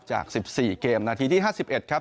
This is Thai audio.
จากสิบสี่เกมนาทีที่ห้าสิบเอ็ดครับ